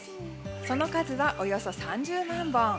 その数はおよそ３０万本。